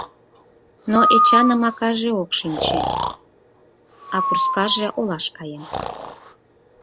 Но Эчаным акаже ок шинче, а курскаже олаш каен.